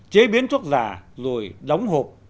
chế biến thuốc giả rồi đóng hộp